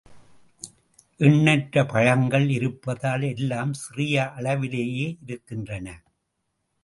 எண்ணற்ற பழங்கள் இருப்பதால் எல்லாம் சிறிய அளவிலேயே இருக்கின்றன.